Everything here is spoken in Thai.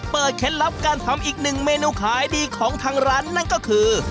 เคล็ดลับการทำอีกหนึ่งเมนูขายดีของทางร้านนั่นก็คือ